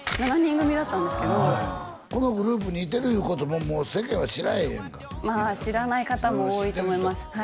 ７人組だったんですけどこのグループにいてるいうことももう世間は知らへんやんかまあ知らない方も多いと思います